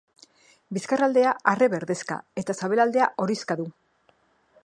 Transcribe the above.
Bizkarraldea arre berdexka eta sabelaldea horixka du.